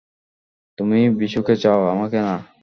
তুমি বিশুকে চাও, আমাকে না।